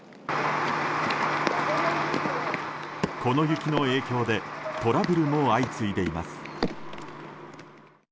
この雪の影響でトラブルも相次いでいます。